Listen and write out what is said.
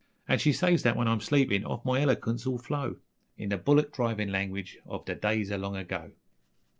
An' she says that, when I'm sleepin', oft my elerquince 'ill flow In the bullick drivin' language ov the days o' long ago.